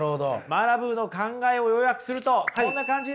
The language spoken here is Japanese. マラブーの考えを要約するとこんな感じになります。